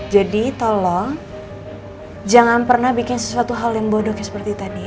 jadi tolong jangan pernah bikin sesuatu hal yang bodoh kayak seperti tadi ya